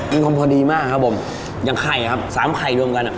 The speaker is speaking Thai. มีความพอดีมากครับผมอย่างไข่ครับสามไข่รวมกันอ่ะ